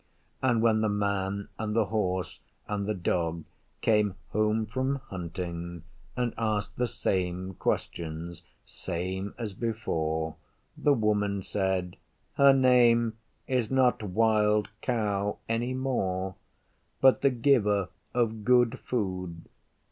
And when the Man and the Horse and the Dog came home from hunting and asked the same questions same as before, the Woman said, 'Her name is not Wild Cow any more, but the Giver of Good Food.